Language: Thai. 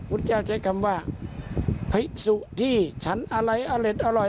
พุทธเจ้าใช้คำว่าภิกษุที่ฉันอะไรอเล็ดอร่อย